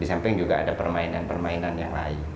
di samping juga ada permainan permainan yang lain